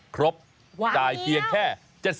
ครบจ่ายเพียงแค่๗๘บาทเท่านั้น